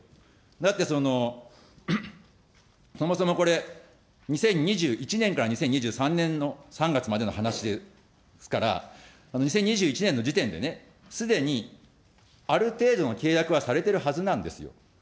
だって、そもそもこれ、２０２１年から２０２３年の３月までの話ですから、２０２１年の時点でね、すでに、ある程度の契約はされてるはずなんですよ。